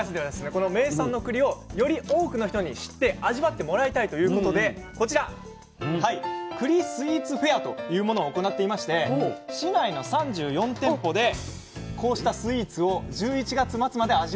この名産のくりをより多くの人に知って味わってもらいたいということでこちら「くりスイーツフェア」というものを行っていまして市内の３４店舗でこうしたスイーツを１１月末まで味わえると。